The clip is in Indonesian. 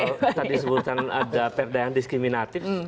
kalau tadi sebutan ada perdagangan diskriminatif